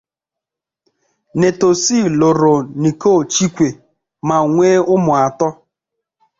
Naeto C luru Nicole Chikwe ma nwee ụmụ atọ.